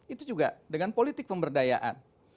itu juga dengan politik pemberdayaan